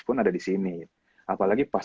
pun ada di sini apalagi pas